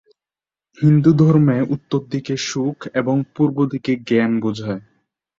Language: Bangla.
হিন্দু ধর্মে উত্তর দিকে সুখ এবং পূর্ব দিকে জ্ঞান বোঝায়।